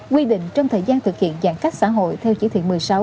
quy định trong thời gian thực hiện giãn cách xã hội theo chỉ thị một mươi sáu